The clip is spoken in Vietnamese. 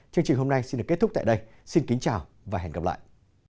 chương trình hôm nay xin được kết thúc tại đây xin kính chào và hẹn gặp lại